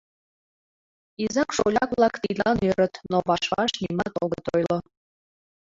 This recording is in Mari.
Изак-шоляк-влак тидлан ӧрыт, но ваш-ваш нимат огыт ойло.